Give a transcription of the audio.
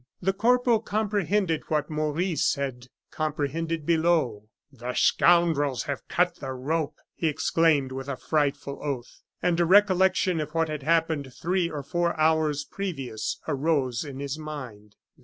The corporal comprehended what Maurice had comprehended below. "The scoundrels have cut the rope!" he exclaimed, with a frightful oath. And a recollection of what had happened three or four hours previous arose in his mind.